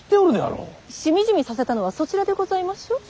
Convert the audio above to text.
しみじみさせたのはそちらでございましょう。